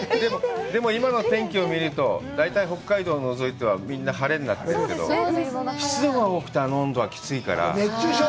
でも今の天気を見ると、大体北海道を除いてはみんな、晴れになってるけど、湿度が多くて、あの温度はきついから。